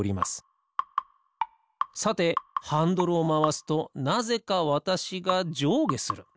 さてハンドルをまわすとなぜかわたしがじょうげする。